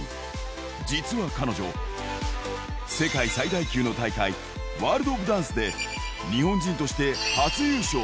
実は彼女、世界最大級の大会、ワールド・オブ・ダンスで、日本人として初優勝。